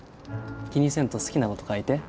気にせんと好きなこと書いて。